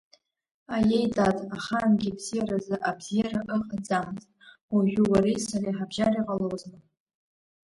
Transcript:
Аиеи, дад, ахаангьы абзиаразы абзиара ыҟаӡамызт, уажәы уареи сареи ҳабжьара иҟалозма!